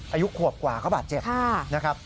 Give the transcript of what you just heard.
อายุขวบกว่าเขาบาดเจ็บนะครับ